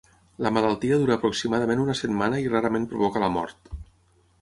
La malaltia dura aproximadament una setmana i rarament provoca la mort.